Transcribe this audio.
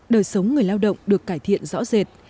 đời sống người lao động được cải thiện rõ rệt